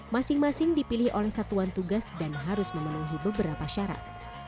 masing masing dipilih oleh satuan tugas dan harus memenuhi beberapa syarat